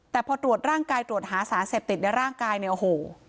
แต่พอตรวจร่างกายตรวจหาสารเสพติดในร่างกายเนี่ยโอ้โห